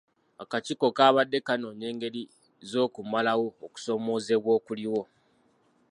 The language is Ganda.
Akakiiko kaabadde kanoonya engeri z'okumalawo okusoomoozebwa okuliwo.